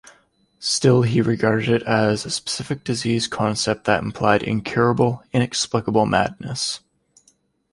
Still, he regarded it as a specific disease concept that implied incurable, inexplicable madness.